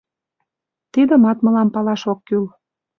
Тидымат мылам палаш ок кӱл...